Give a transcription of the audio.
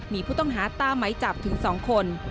มีผู้ต้องหาตามไหมจับถึง๒คน